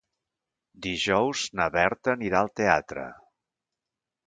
Dijous na Berta anirà al teatre.